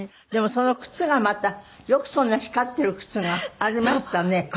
でもその靴がまたよくそんな光ってる靴がありましたね。